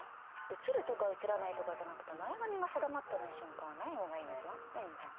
映るとか映らないとかじゃなくて前髪が定まってない瞬間はないほうがいいに決まってんじゃん。